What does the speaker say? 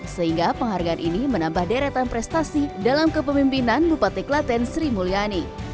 sehingga penghargaan ini menambah deretan prestasi dalam kepemimpinan bupati klaten sri mulyani